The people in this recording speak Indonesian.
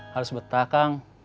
harus betah kang